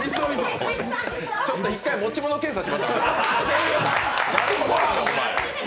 ちょっと１回持ち物検査しましょう。